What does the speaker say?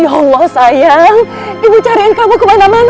ya allah sayang ibu cariin kamu ke mana can awak mana